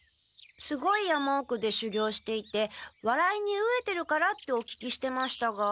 すごい山おくでしゅぎょうしていてわらいにうえてるからってお聞きしてましたが。